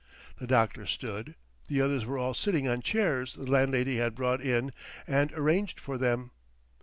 The doctor stood, the others were all sitting on chairs the landlady had brought in and arranged for them.